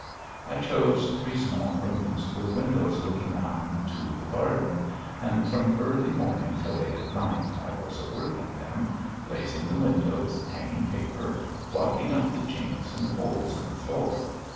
I chose three small rooms with windows looking on to the garden, and from early morning till late at night I was at work in them, glazing the windows, hanging paper, blocking up the chinks and holes in the floor.